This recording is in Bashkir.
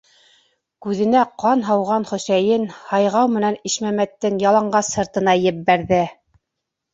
Күҙенә ҡан һауған Хөсәйен һайғау менән Ишмәмәттең яланғас һыртына еббәрҙе!